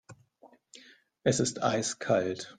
Es ist eiskalt.